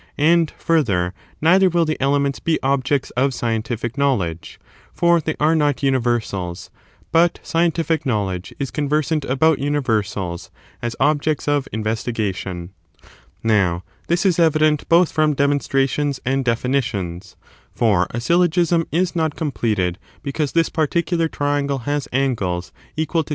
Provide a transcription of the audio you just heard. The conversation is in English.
And, further, neither will the elements be objects of scientific knowledge, for they are not universals ; but scientific knowledge is conversant about universals as objects of investigation. 8. conflnned Now this is evident both from demonstrations^ ^fTmonstr*^ and definitions ;2 for a*syllogism is not completed tion and defi because this particular triangle has angles equal nition.